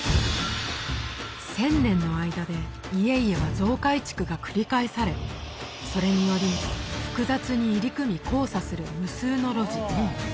１０００年の間で家々は増改築が繰り返されそれにより複雑に入り組み交差する無数の路地